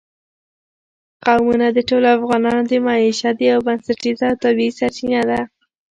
قومونه د ټولو افغانانو د معیشت یوه بنسټیزه او طبیعي سرچینه ده.